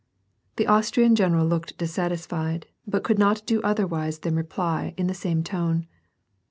The Austrian general looked dissatisfied^ but could not do otherwise than reply in the same tone.